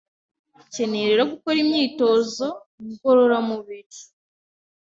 Ukeneye rero gukora imyitozo ngororamubiri.